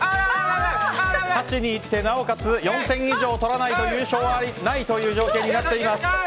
勝ちにいってなおかつ４点以上取らないと優勝はないという条件になっています。